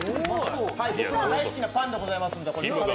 僕の大好きなパンでございます。